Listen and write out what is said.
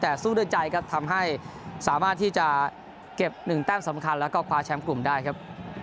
แต่สู้ด้วยใจครับทำให้สามารถที่จะเก็บ๑แต้มสำคัญแล้วก็คว้าแชมป์กลุ่มได้ครับ